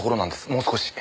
もう少し。